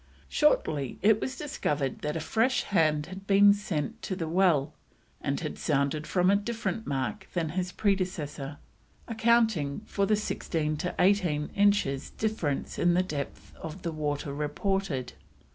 Shortly it was discovered that a fresh hand had been sent to the well and had sounded from a different mark than his predecessor, accounting for the sixteen to eighteen inches difference in the depth of water reported.